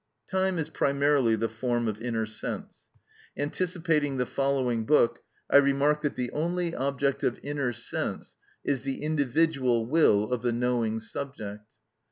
Time is primarily the form of inner sense. Anticipating the following book, I remark that the only object of inner sense is the individual will of the knowing subject.